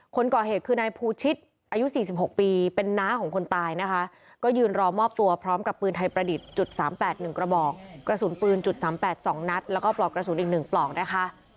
คนก่อเหตุคือนายภูชิตอายุ๔๖ปีเป็นน้าของคนตายนะคะก็ยืนรอมอบตัวพร้อมกับปืนไทยประดิษฐ์จุด๓๘๑กระบอกกระสุนปืน๓๘๒นัดแล้วก็ปลอกกระสุนอีก๑ปลอกนะคะ